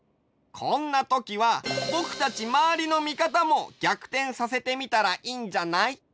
こんなときはぼくたちまわりの見方も逆転させてみたらいいんじゃない？